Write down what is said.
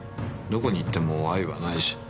どこに行っても愛はないし。